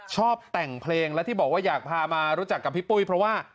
ชอบแต่งเพลงและที่บอกว่าอยากพามารู้จักกับพี่ปุ้ยเพราะว่า